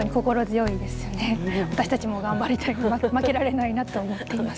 私たちも頑張りたい負けられないなと思っています。